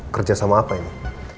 kerjasama apa ini